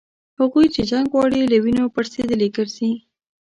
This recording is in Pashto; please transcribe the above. هغوی چي جنګ غواړي له وینو پړسېدلي ګرځي